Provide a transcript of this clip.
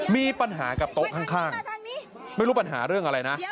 มีปัญหากับโต๊ะข้างไม่รู้ปัญหาเรื่องอะไรนะ